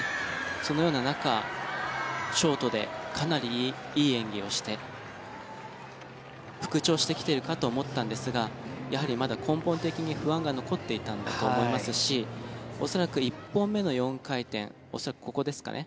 そのような中、ショートでかなりいい演技をして復調してきているかと思ったんですがやはり、まだ根本的に不安が残っていたんだと思いますし恐らく１本目の４回転恐らくここですかね。